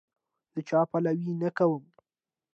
د چا پلوی نه کوم.